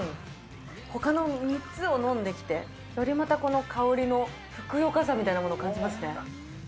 ほかの３つを飲んできて、よりまたこの香りのふくよかさみたいなものを感じますね。